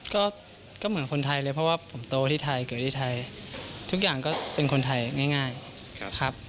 ก็เหมือนคนไทยเลยเพราะว่าผมโตที่ไทยเกิดที่ไทยทุกอย่างก็เป็นคนไทยง่ายครับ